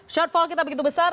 shortfall kita begitu besar